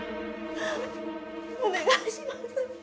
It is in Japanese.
お願いします。